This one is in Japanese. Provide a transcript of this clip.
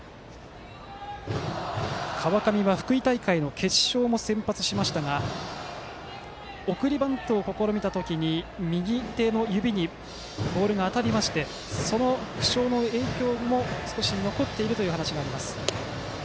川上は、福井大会の決勝も先発しましたが送りバントを試みた時右手の指にボールが当たりましてその負傷の影響も少し残っているという話です。